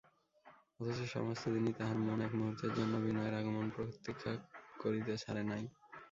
অথচ সমস্ত দিনই তাহার মন এক মুহূর্তের জন্যও বিনয়ের আগমন প্রতীক্ষা করিতে ছাড়ে নাই।